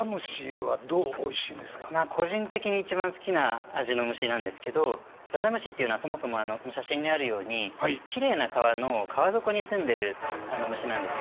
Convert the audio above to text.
個人的に一番好きな味の虫なんですけどざざむしっていうのはそもそもその写真にあるようにきれいな川の川底に住んでいる虫なんですよ。